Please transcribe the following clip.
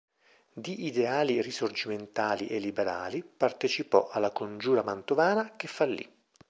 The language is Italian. Di ideali risorgimentali e liberali, partecipò alla congiura mantovana, che fallì.